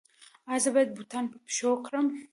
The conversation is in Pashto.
ایا زه باید بوټان په پښو کړم؟